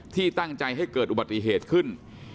ที่ตั้งใจให้เกิดอุบัติเหตุขึ้น